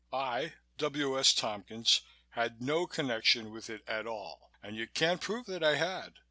I W. S. Tompkins had no connection with it at all and you can't prove that I had.